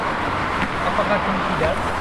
Apakah Tom kidal?